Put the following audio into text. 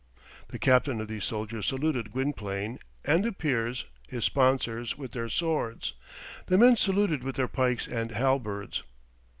_" The captain of these soldiers saluted Gwynplaine, and the peers, his sponsors, with their swords. The men saluted with their pikes and halberds.